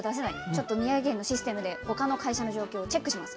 ちょっと宮城県のシステムで他の会社の状況をチェックします。